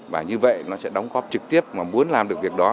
và như vậy nó sẽ đóng góp trực tiếp mà muốn làm được việc đó